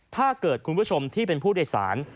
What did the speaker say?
ถ้าเกิดคุณผู้ชมที่เป็นผู้โดยสาร